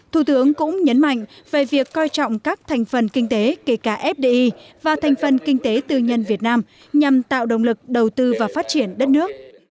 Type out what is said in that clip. thủ tướng cũng nhấn mạnh về việc coi trọng các thành phần kinh tế kể cả fdi và thành phần kinh tế tư nhân việt nam nhằm tạo động lực đầu tư và phát triển đất nước